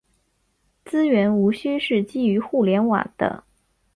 资源无需是基于互联网的。